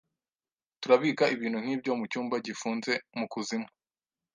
Turabika ibintu nkibyo mucyumba gifunze mukuzimu.